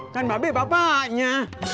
kan bape bapaknya